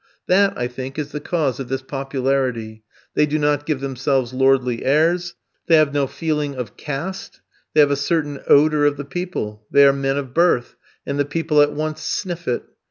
That, I think, is the cause of this popularity. They do not give themselves lordly airs; they have no feeling of "caste;" they have a certain odour of the people; they are men of birth, and the people at once sniff it.